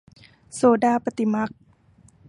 โสดาปัตติมรรค